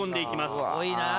すごいなぁ。